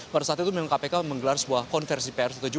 pada saat itu memang kpk menggelar sebuah konversi pr tujuh